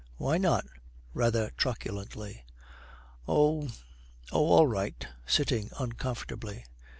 'Why not?' rather truculently. 'Oh oh, all right,' sitting uncomfortably.